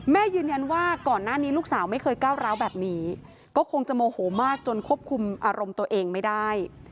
ยืนยันว่าก่อนหน้านี้ลูกสาวไม่เคยก้าวร้าวแบบนี้ก็คงจะโมโหมากจนควบคุมอารมณ์ตัวเองไม่ได้